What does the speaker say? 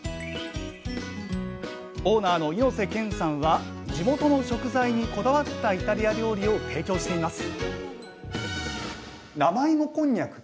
オーナーの井瀬賢さんは地元の食材にこだわったイタリア料理を提供しています